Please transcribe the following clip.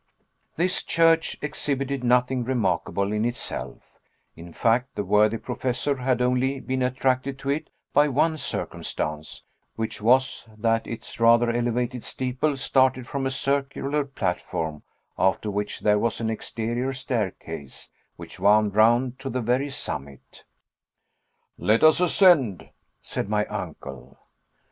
This church exhibited nothing remarkable in itself; in fact, the worthy Professor had only been attracted to it by one circumstance, which was, that its rather elevated steeple started from a circular platform, after which there was an exterior staircase, which wound round to the very summit. "Let us ascend," said my uncle.